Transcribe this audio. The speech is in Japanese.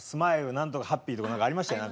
なんとかハッピーとかありましたよね